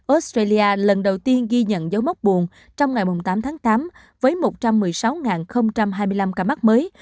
australia lần đầu tiên ghi nhận dấu mốc buồn trong ngày tám tháng tám với một trăm một mươi sáu hai mươi năm ca mắc mới